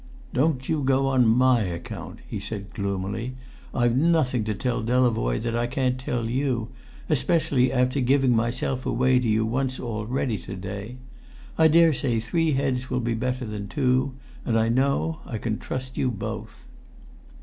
"Don't you go on my account," said he gloomily. "I've nothing to tell Delavoye that I can't tell you, especially after giving myself away to you once already to day. I daresay three heads will be better than two, and I know I can trust you both."